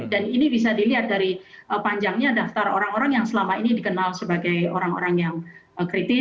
dan ini bisa dilihat dari panjangnya daftar orang orang yang selama ini dikenal sebagai orang orang yang kritis